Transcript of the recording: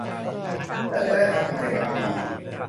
แล้วจะได้ทำกิจกรรมดี